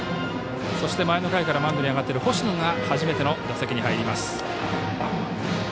前の回からマウンドに上がっている星野が初めての打席に入ります。